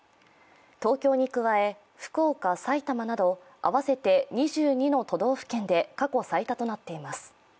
東京に加え、福岡、埼玉など合わせて２２の都道府県で過去最多となっています。